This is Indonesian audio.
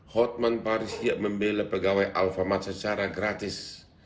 hotman paris siap membela pegawai alfamart secara gratis